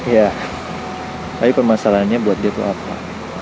ya tapi permasalahannya buat dia itu apa